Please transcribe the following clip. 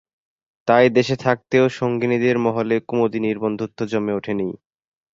তাই দেশে থাকতেও সঙ্গিনীদের মহলে কুমুদিনীর বন্ধুত্ব জমে ওঠে নি।